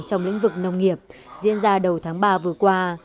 trong lĩnh vực nông nghiệp diễn ra đầu tháng ba vừa qua